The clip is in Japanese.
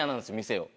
店を。